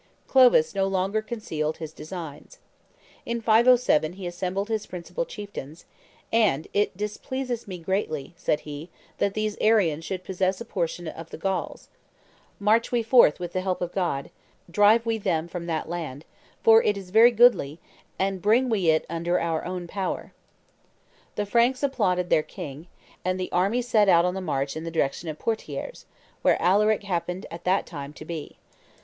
Clovis no longer concealed his designs. In 507 he assembled his principal chieftains; and, "It displeaseth me greatly," said he, "that these Arians should possess a portion of the Gauls; march we forth with the help of God, drive we them from that land, for it is very goodly, and bring we it under our own power." The Franks applauded their king; and the army set out on the march in the direction of Poitiers, where Alaric happened at that time to be.